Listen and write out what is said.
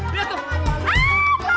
aar jason sama biden